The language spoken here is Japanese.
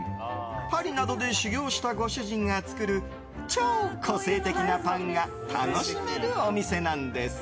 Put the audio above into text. パリなどで修業したご主人が作る超個性的なパンが楽しめるお店なんです。